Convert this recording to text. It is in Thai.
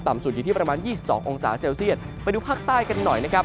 สุดอยู่ที่ประมาณ๒๒องศาเซลเซียตไปดูภาคใต้กันหน่อยนะครับ